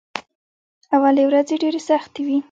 اولې ورځې ډېرې سختې وې.